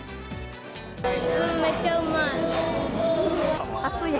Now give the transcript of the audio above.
めっちゃうまい。